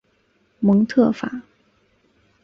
蒙特法。